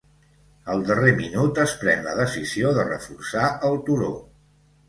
Al darrer minut es pren la decisió de reforçar el turó.